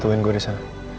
tungguin gue disana